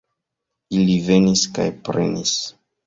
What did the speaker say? Ili venis kaj prenis!